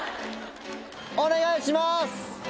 お願いします！